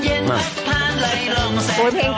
โอเคเพลงเก่าเถ้นั้ง